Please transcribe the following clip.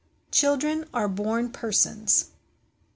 Children are born persons.